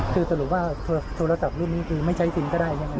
คือสรุปว่าโทรศัพท์รุ่นนี้คือไม่ใช้จริงก็ได้ใช่ไหม